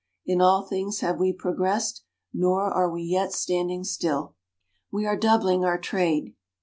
In all things have we progressed; nor are we yet standing still. We are doubling our trade.